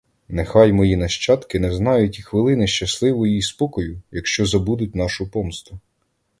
Нехай мої нащадки не знають і хвилини щасливої і спокою, якщо забудуть нашу помсту.